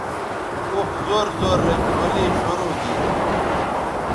اوخ زور زور رے څلے شروع گی